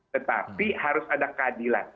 tetapi harus ada keadilan